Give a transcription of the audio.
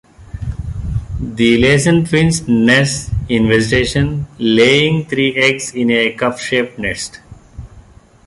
The Laysan finch nests in vegetation, laying three eggs in a cup-shaped nest.